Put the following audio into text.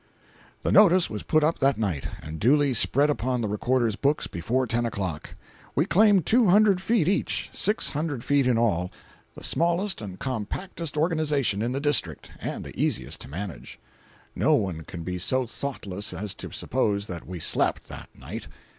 The notice was put up that night, and duly spread upon the recorder's books before ten o'clock. We claimed two hundred feet each—six hundred feet in all—the smallest and compactest organization in the district, and the easiest to manage. No one can be so thoughtless as to suppose that we slept, that night.